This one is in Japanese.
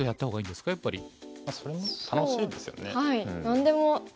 何でも。